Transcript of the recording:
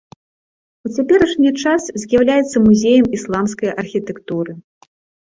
У цяперашні час з'яўляецца музеем ісламскай архітэктуры.